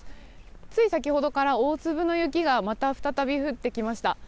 つい先ほどから大粒の雪がまた再び降っていました。